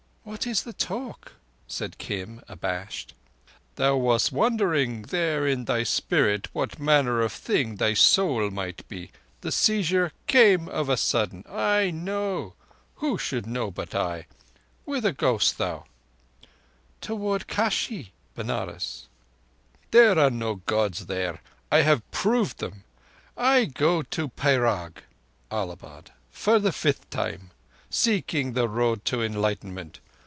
"What is the talk?" said Kim, abashed. "Thou wast wondering there in thy spirit what manner of thing thy soul might be. The seizure came of a sudden. I know. Who should know but I? Whither goest thou?" "Toward Kashi [Benares]." "There are no Gods there. I have proved them. I go to Prayag [Allahabad] for the fifth time—seeking the Road to Enlightenment.